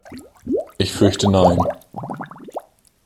Ich fürchte nein.